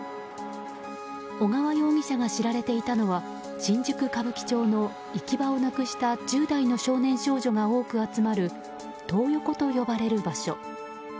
小川容疑者が知られていたのは新宿・歌舞伎町の行き場をなくした１０代の少年少女が多く集まるトー横と呼ばれる場所。